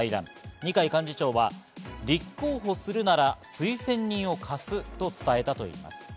二階幹事長は立候補するなら推薦人を貸すと伝えたといいます。